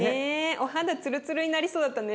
お肌ツルツルになりそうだったね。